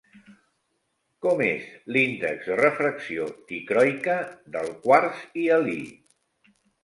Com és l'índex de refracció dicroica del quars hialí?